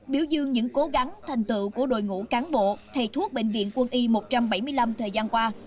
biểu dương những cố gắng thành tựu của đội ngũ cán bộ thầy thuốc bệnh viện quân y một trăm bảy mươi năm thời gian qua